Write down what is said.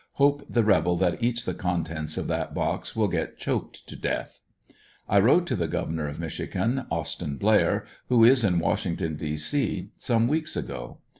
Hope the rebel that eats the contents of that box will get choked to death, 1 wrote to the Governor of Michigan, Austin Blair, who is in Washington, D. C, some weeks ago.